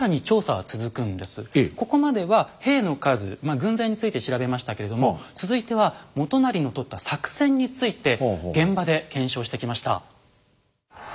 軍勢について調べましたけれども続いては元就のとった作戦について現場で検証してきました。